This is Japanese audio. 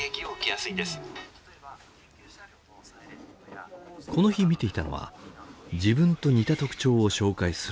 この日見ていたのは自分と似た特徴を紹介する動画。